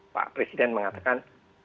pak presiden mengatakan